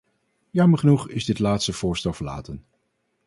Jammer genoeg is dit laatste voorstel verlaten.